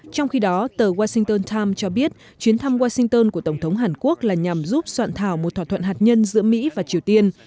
trong khi đó tờ washington times cho biết chuyến thăm washington của tổng thống hàn quốc là nhằm giúp soạn thảo một thỏa thuận hạt nhân giữa mỹ và triều tiên